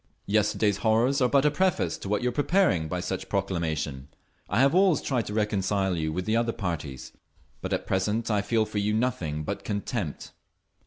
Yesterday's horrors are but a preface to what you are preparing by such a proclamation…. I have always tried to reconcile you with the other parties, but at present I feel for you nothing but contempt!"